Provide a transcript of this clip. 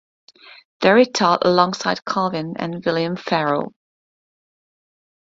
There he taught alongside Calvin and William Farel.